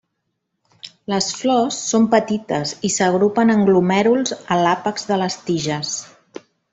Les flors són petites i s'agrupen en glomèruls a l'àpex de les tiges.